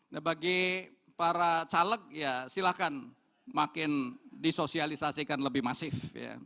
sebagai para caleg silahkan makin disosialisasikan lebih masif